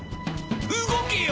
動けよ！